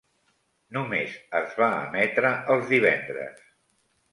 Només es va emetre els divendres.